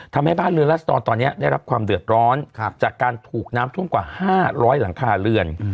ทำให้บ้านเรือนรัศดรตอนนี้ได้รับความเดือดร้อนจากการถูกน้ำท่วมกว่า๕๐๐หลังคาเรือน